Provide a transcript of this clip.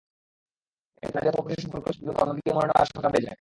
এতে নারী অথবা পুরুষের সম্পর্কের জটিলতা অন্যদিকে মোড় নেওয়ার আশঙ্কা বেড়ে যায়।